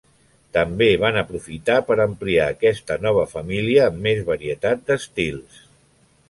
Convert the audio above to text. També van aprofitar per ampliar aquesta nova família amb més varietat d'estils.